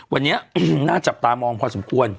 วันนี้น่าจับตามองพอสมควร